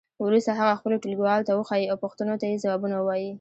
وروسته هغه خپلو ټولګیوالو ته وښیئ او پوښتنو ته یې ځوابونه ووایئ.